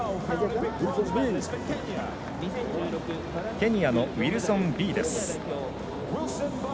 ケニアのウィルソン・ビイです。